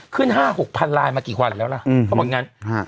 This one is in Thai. ขึ้น๕๖พันลายมากี่วันแล้วล่ะเขาบอกอย่างงั้น